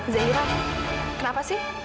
zaira kenapa sih